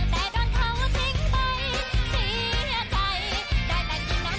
กับเพลงอ่ะขอมันแห้ง